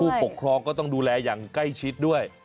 ผู้ปกครองก็ต้องดูแลอย่างใกล้ชิดด้วย